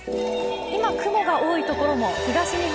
今、雲が多いところも東日本